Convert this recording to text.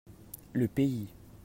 Le pays.